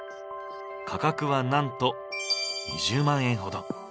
価格はなんと２０万円ほど。